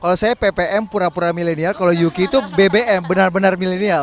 kalau saya ppm pura pura milenial kalau yuki itu bbm benar benar milenial